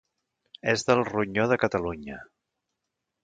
És del ronyó de Catalunya.